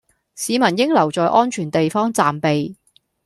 市民應留在安全地方暫避